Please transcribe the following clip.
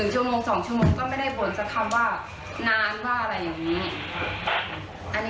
ชั่วโมง๒ชั่วโมงก็ไม่ได้บ่นสักคำว่านานว่าอะไรอย่างนี้